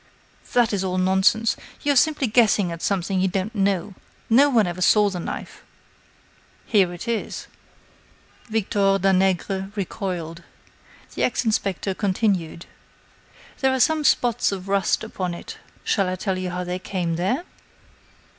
"That is all nonsense. You are simply guessing at something you don't know. No one ever saw the knife." "Here it is." Victor Danègre recoiled. The ex inspector continued: "There are some spots of rust upon it. Shall I tell you how they came there?"